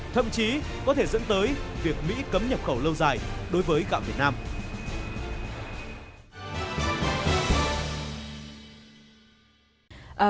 thậm chí có thể dẫn tới việc mỹ cấm nhập khẩu lâu dài đối với gạo việt nam